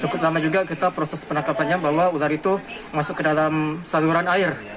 cukup lama juga kita proses penangkapannya bahwa ular itu masuk ke dalam saluran air